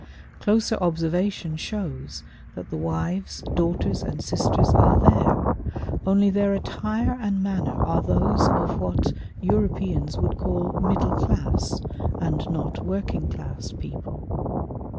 Closer observation shows that the wives, daughters, and sisters are there, only their attire and manner are those of what Europeans would call middle class and not working class people.